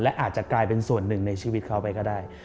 และอาจจะกลายเป็นส่วนหนึ่งในชีวิตเขาไปก็ได้